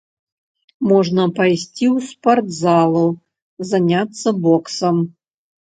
Можна пайсці ў спартзалу, заняцца боксам.